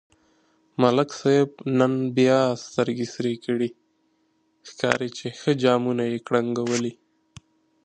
ملک صاحب نن بیا سترگې سرې کړي، ښکاري چې ښه جامونه یې کړنگولي.